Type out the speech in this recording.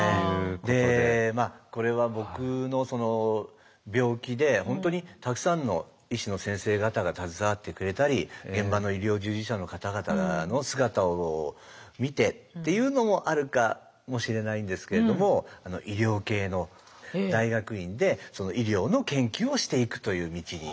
でこれは僕の病気で本当にたくさんの医師の先生方が携わってくれたり現場の医療従事者の方々の姿を見てっていうのもあるかもしれないんですけれども医療系の大学院で医療の研究をしていくという道に。